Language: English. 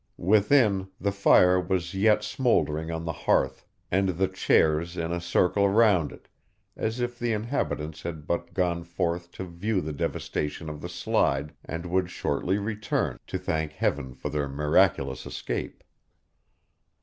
Within, the fire was yet smouldering on the hearth, and the chairs in a circle round it, as if the inhabitants had but gone forth to view the devastation of the Slide, and would shortly return, to thank Heaven for their miraculous escape.